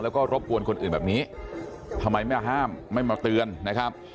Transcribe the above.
แล้วก็รบกวนคนอื่นแบบนี้ทำไมไม่ห้ามไม่มาเตือนนะครับ